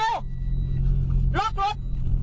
ล็อกรถ